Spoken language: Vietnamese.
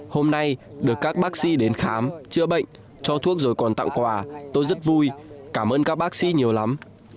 hôm nay được các bác sĩ đến khám chữa bệnh cho thuốc rồi còn tặng quà tôi rất vui cảm ơn các bác sĩ nhiều lắm